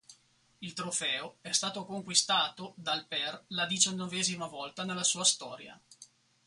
Il trofeo è stato conquistato dal per la diciannovesima volta nella sua storia.